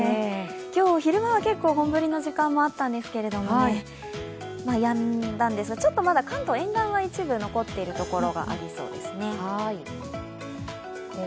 今日昼間は結構本降りの時間もあったんですけれどもやんだんですが、ちょっとまだ関東は沿岸は一部残っているところがありそうですね。